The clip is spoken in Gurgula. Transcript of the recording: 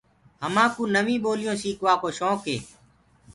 همآ ڪوُ نوينٚ ٻوليونٚ سيڪوآ ڪو شوڪ هي۔